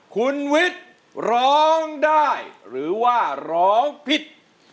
คุณวิทย์ร้องได้หรือว่าร้องผิด